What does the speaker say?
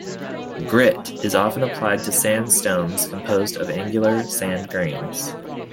"Grit" is often applied to sandstones composed of angular sand grains.